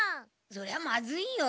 そりゃまずいよ！